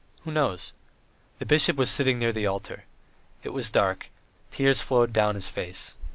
Who knows? The bishop was sitting near the altar. It was dark; tears flowed down his face.